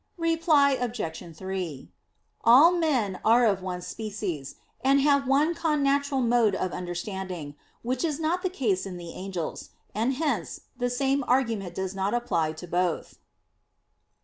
Reply Obj. 3: All men are of one species, and have one connatural mode of understanding; which is not the case in the angels: and hence the same argument does not apply to both.